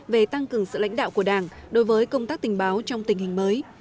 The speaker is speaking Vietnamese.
về tăng cường sự lãnh đạo của đảng đối với công tác tình báo trong tình hình mới